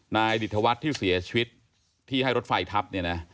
นายฤทธวรรษที่เสียชีวิตที่ให้รถไฟทับ